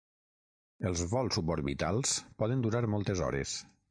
Els vols suborbitals poden durar moltes hores.